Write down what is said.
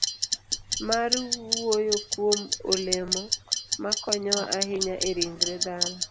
mar wuoyo kuom olemo makonyowa ahinya e ringre dhano,